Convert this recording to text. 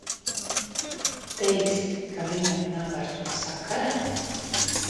Teiksi, ka viņam nav ar to sakara?